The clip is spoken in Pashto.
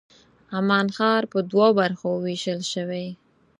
عمان ښار په دوو برخو وېشل شوی.